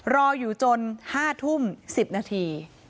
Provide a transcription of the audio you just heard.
รออยู่จน๕ทุ่ม๑๐นาที